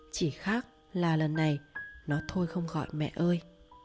chỉ khác là lần này nó thôi không gọi mẹ ơi